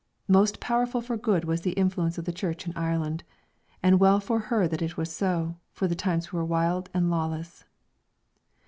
Most powerful for good was the influence of the Church in Ireland, and well for her that it was so, for the times were wild and lawless.